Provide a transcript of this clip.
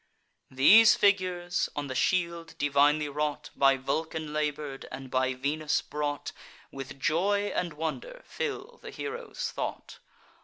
These figures, on the shield divinely wrought, By Vulcan labour'd, and by Venus brought, With joy and wonder fill the hero's thought.